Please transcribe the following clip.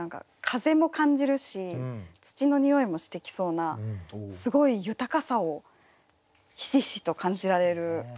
風も感じるし土のにおいもしてきそうなすごい豊かさをひしひしと感じられる穏やかな句が。